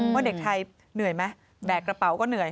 ว่าเด็กไทยเหนื่อยไหมแบกกระเป๋าก็เหนื่อย